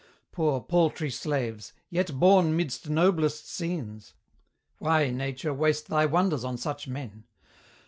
Poor, paltry slaves! yet born midst noblest scenes Why, Nature, waste thy wonders on such men?